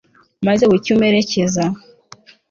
maze bucye umperekeza